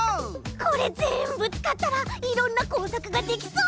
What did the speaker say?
これぜんぶつかったらいろんなこうさくができそう！